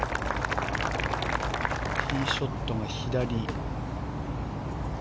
ティーショットが左。